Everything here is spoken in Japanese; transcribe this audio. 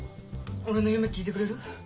俺の夢聞いてくれる？